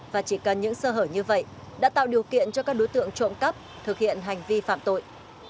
và chỉ cần những sơ hở như vậy đã tạo điều kiện cho các đối tượng trộm cắp thực hiện hành vi phạm tội